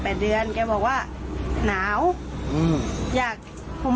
ทั้งลูกสาวลูกชายก็ไปทำพิธีจุดทูป